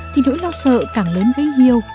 thì nỗi lo sợ càng lớn bấy nhiêu